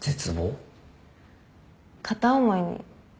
片思いに。